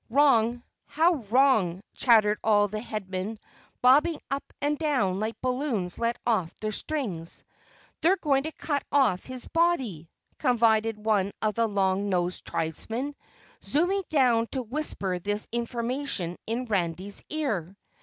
"Wrong, how wrong," chattered all the Headmen, bobbing up and down like balloons let off their strings. "They're going to cut off his body," confided one of the long nosed tribesmen, zooming down to whisper this information in Randy's ear.